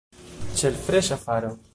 Ĉe l' freŝa faro.